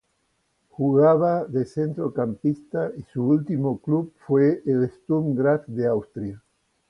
Jugaba de centrocampista y su último club fue el Sturm Graz de Austria.